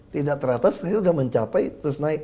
tidak teratas dan mencapai terus naik